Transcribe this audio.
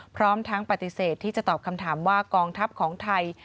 พร้อมทั้งปฏิเสธที่จะตอบคำถามว่ากองทัพของไทย